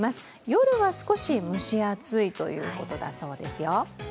夜は少し蒸し暑いということだそうですよ。